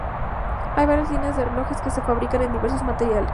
Hay varias líneas de relojes que se fabrican en diversos materiales.